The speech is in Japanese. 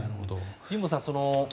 神保さん